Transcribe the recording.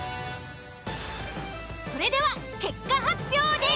それでは結果発表です。